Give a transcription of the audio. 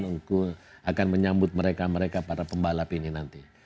untuk akan menyambut mereka mereka para pembalap ini nanti